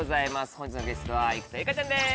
本日のゲスト生田絵梨花ちゃんです。